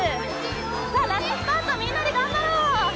さあラストスパートみんなでがんばろう！